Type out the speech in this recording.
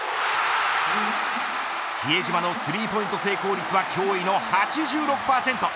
比江島のスリーポイント成功率は驚異の８６％。